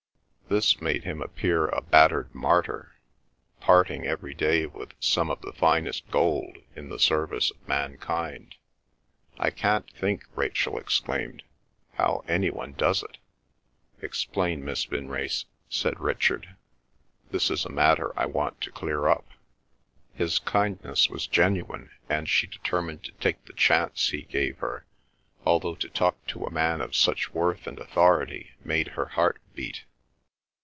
This made him appear a battered martyr, parting every day with some of the finest gold, in the service of mankind. "I can't think," Rachel exclaimed, "how any one does it!" "Explain, Miss Vinrace," said Richard. "This is a matter I want to clear up." His kindness was genuine, and she determined to take the chance he gave her, although to talk to a man of such worth and authority made her heart beat.